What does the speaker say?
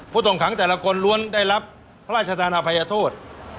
ผู้ต้องขังแต่ละคนล้วนได้รับพระราชทานอภัยโทษ